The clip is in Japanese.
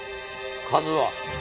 数は